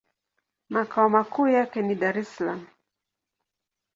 Makao makuu yake ni Dar-es-Salaam.